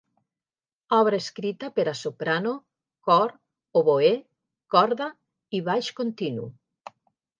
Obra escrita per a soprano, cor, oboè, corda i baix continu.